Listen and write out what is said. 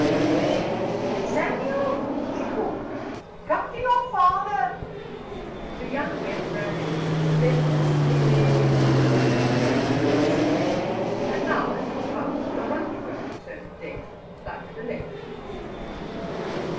"Pete! Samuel!" she called, "come to your father." The young men ran in, and they forcibly laid the old Boer in bed, prostrate. And now it was found that the right foot had turned dead, like the left.